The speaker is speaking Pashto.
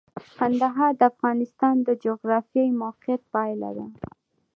کندهار د افغانستان د جغرافیایي موقیعت پایله ده.